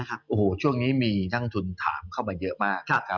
อะช่วงนี้มีทางตุ้นถามมาเยอะมาก